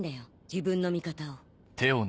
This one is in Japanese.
自分の味方を。